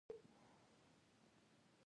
په افغانستان کې د ښارونو تاریخ ډېر اوږد دی.